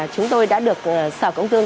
chúng tôi đã được sở công tương